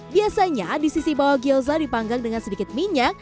biasanya di sisi bawah gyoza dipanggang dengan sedikit minyak